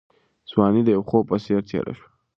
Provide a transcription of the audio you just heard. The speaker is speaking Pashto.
ځواني د یو خوب په څېر تېره شوه.